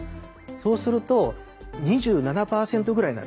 そうすると２７％ぐらいになるんですね。